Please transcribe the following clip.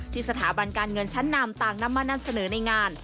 สถาบันการเงินชั้นนำต่างนำมานำเสนอในงาน